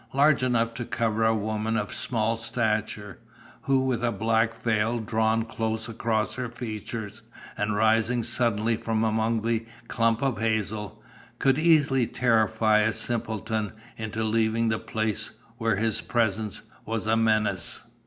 Large enough to cover a woman of small stature, who, with a black veil drawn close across her features, and rising suddenly from among that clump of hazel, could easily terrify a simpleton into leaving the place where his presence was a menace."